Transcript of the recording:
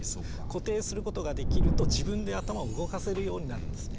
固定することができると自分で頭を動かせるようになるんですね。